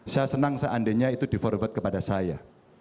saya senang seandainya itu di forward kepada saya